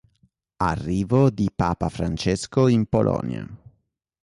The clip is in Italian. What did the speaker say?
Arrivo di papa Francesco in Polonia.